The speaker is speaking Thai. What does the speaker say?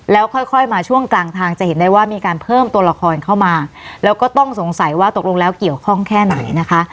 แล้วค่อยค่อยมาช่วงกลางทางจะเห็นได้ว่ามีการเพิ่มตัวละครเข้ามาแล้วก็ต้องสงสัยว่าตกลงแล้วเกี่ยวข้องแค่ไหนนะคะ